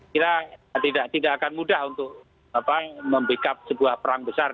kita tidak akan mudah untuk membackup sebuah perang besar